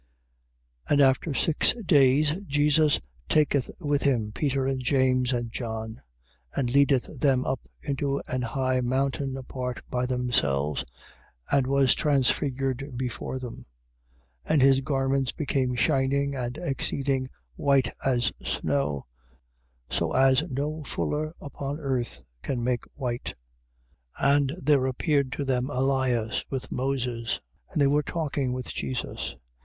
9:1. And after six days, Jesus taketh with him Peter and James and John, and leadeth them up into an high mountain apart by themselves, and was transfigured before them. 9:2. And his garments became shining and exceeding white as snow, so as no fuller upon earth can make white. 9:3. And there appeared to them Elias with Moses: and they were talking with Jesus.